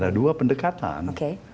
ada dua pendekatan